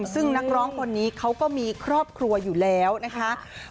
ซึ่งนักร้องคนนี้เขาก็มีครอบครัวอยู่แล้วนะคะ